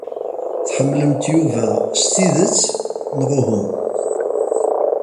Tḥemmlemt Yuba s tidet, neɣ uhu?